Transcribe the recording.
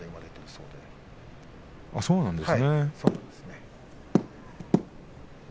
そうなんですね。